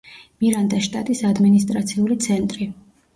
მირანდას შტატის ადმინისტრაციული ცენტრი.